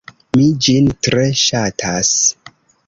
Mi ĝin tre ŝatas.